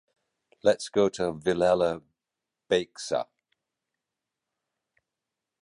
Let's go to la Vilella Baixa.